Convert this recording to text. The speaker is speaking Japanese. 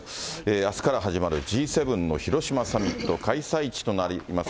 あすから始まるＧ７の広島サミット、開催地となります